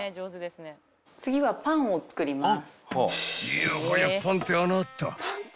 ［いやはやパンってあなた］